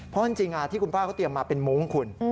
เพราะจริงที่คุณป้าเขาเตรียมมาเป็นมุ้งคุณ